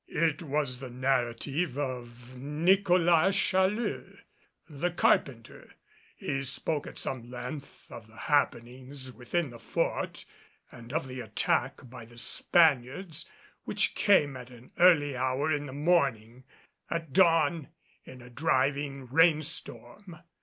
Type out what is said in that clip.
It was the narrative of Nicholas Challeux, the carpenter. He spoke at some length of the happenings within the fort and of the attack by the Spaniards which came at an early hour in the morning at dawn in a driving rain storm.